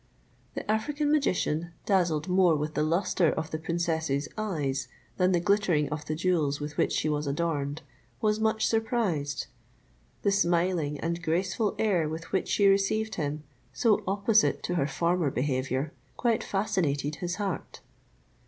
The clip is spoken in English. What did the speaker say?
The African magician, dazzled more with the lustre of the princess's eyes than the glittering of the jewels with which she was adorned, was much surprised. The smiling and graceful air with which she received him, so opposite to her former behaviour, quite fascinated his heart.